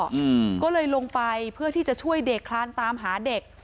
อืมก็เลยลงไปเพื่อที่จะช่วยเด็กคลานตามหาเด็ก